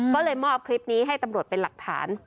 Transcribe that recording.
ก็เลยมอบคลิปนี้ให้ตำรวจเป็นหลักฐาน